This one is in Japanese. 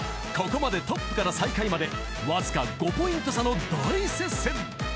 ［ここまでトップから最下位までわずか５ポイント差の大接戦！］